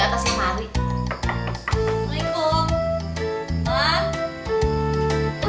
tapi gak sopan juga aku duduk